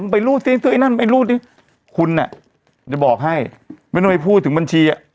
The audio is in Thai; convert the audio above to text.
ยังไม่รู้ซึ้งซื้อไอ้นั่นไม่รู้ดิคุณน่ะจะบอกให้ไม่ต้องให้พูดถึงบัญชีอ่ะ